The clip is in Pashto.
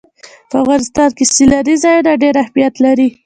په افغانستان کې سیلانی ځایونه ډېر اهمیت لري.